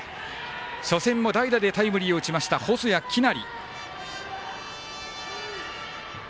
初戦も代打でタイムリーを打ちました細谷季登。